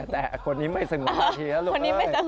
แต่คนนี้ไม่สงวนแต่ทีนะลูก